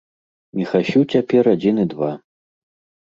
Міхасю цяпер адзін і два.